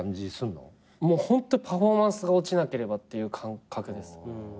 もうホントパフォーマンスが落ちなければっていう感覚です。